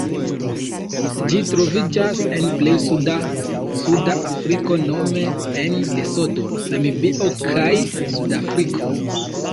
Ĝi troviĝas en plej suda Suda Afriko nome en Lesoto, Namibio kaj Sudafriko.